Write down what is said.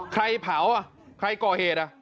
ใครเผาอะใครก่อเหตุอะ